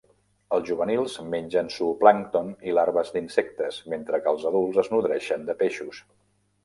Els juvenils mengen zooplàncton i larves d'insectes, mentre que els adults es nodreixen de peixos.